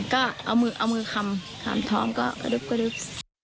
ก็เอามือคำถามท้องก็กระดึ๊บกระดึ๊บ